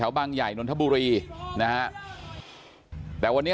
แม่ขี้หมาเนี่ยเธอดีเนี่ยเธอดีเนี่ยเธอดีเนี่ยเธอดีเนี่ย